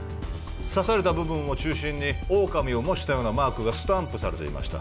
刺された部分を中心に狼を模したようなマークがスタンプされていました